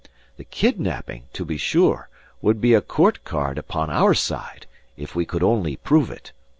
The kidnapping, to be sure, would be a court card upon our side, if we could only prove it.